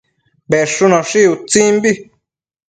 Bedshunoshi utsimbi